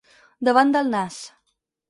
Davant del nas.